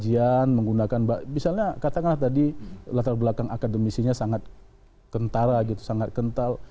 kajian menggunakan misalnya katakanlah tadi latar belakang akademisinya sangat kentara gitu sangat kental